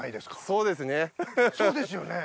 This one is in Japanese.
そうですよね？